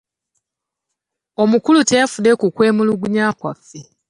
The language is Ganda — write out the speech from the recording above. Omukulu teyafuddeyo ku kwemulugunya kwaffe.